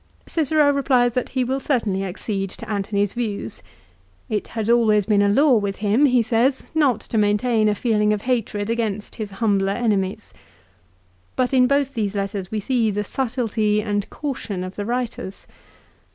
Cicero replies that he will certainly accede to Antony's views. It had always been a law with him, he says, not to maintain a feeling of hatred against his humbler enemies. But in both these letters we see the subtilty and caution of the writers.